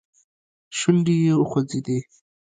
شونډې يې وخوځېدې.